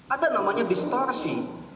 ada namanya distorsi